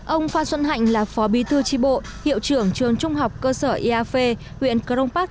ông phan xuân hạnh là phó bí thư tri bộ hiệu trưởng trường trung học cơ sở eav huyện cron park